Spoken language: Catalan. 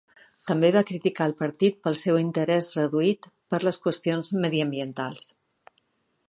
També va criticar el partit pel seu interès reduït per les qüestions mediambientals.